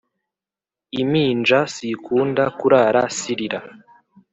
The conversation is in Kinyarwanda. Iminja sikunda kurara sirira